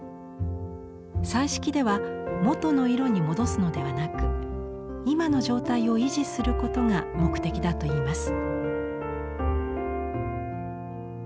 彩色では元の色に戻すのではなく今の状態を維持することが目的だといいます。